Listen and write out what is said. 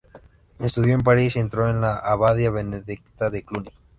Estudió en París y entró en la abadía benedictina de Cluny.